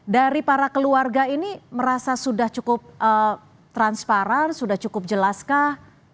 dari para keluarga ini merasa sudah cukup transparan sudah cukup jelaskah